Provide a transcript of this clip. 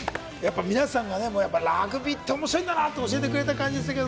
皆さんがラグビーって面白いんだなって教えてくれた感じでした。